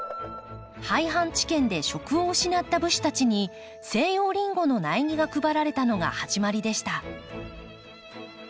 廃藩置県で職を失った武士たちに西洋リンゴの苗木が配られたのが始まりでした。